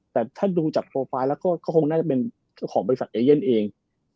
แต่ถ้าดูจากโปรไฟล์แล้วก็คงน่าจะเป็นของบริษัทเอเย่นเอง